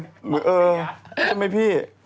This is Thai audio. ทำไมพี่